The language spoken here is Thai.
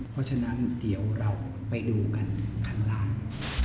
เพราะฉะนั้นเดี๋ยวเราไปดูกันข้างล่าง